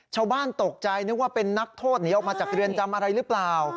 ชาวบ้านตกใจนึกว่าเป็นนักโทษหนีออกมาจากเรือนจำอะไรหรือเปล่า